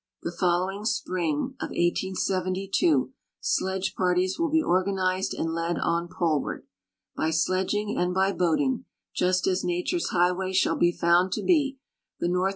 The following sju ing (of 1872) sledge j)arties will be organized and led on poleward. By sledging and by boating— just as nature's highway shall be found to be — tlie north e.